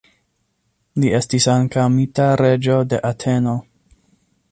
Li estis ankaŭ mita reĝo de Ateno.